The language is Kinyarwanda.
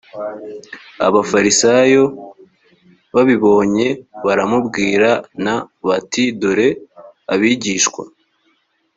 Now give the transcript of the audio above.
abafarisayo babibonye baramubwira n bati dore abigishwa